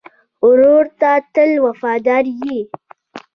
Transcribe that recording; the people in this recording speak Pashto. ورور ته تل وفادار یې.